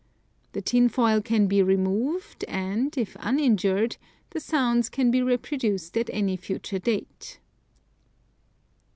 The tin foil can be removed, and, if uninjured, the sounds can be reproduced at any future date.